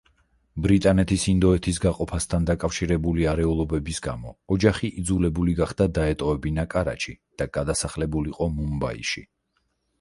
ბრიტანეთის ინდოეთის გაყოფასთან დაკავშირებული არეულობების გამო ოჯახი იძულებული გახდა დაეტოვებინა კარაჩი და გადასახლებულიყო მუმბაიში.